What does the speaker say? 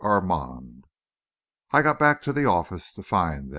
ARMAND I got back to the office to find that M.